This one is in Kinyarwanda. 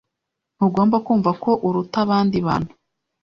Ntugomba kumva ko uruta abandi bantu.